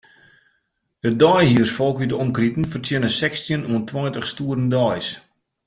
It deihiersfolk út 'e omkriten fertsjinne sechstjin oant tweintich stoeren deis.